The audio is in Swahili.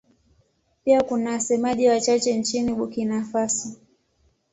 Pia kuna wasemaji wachache nchini Burkina Faso.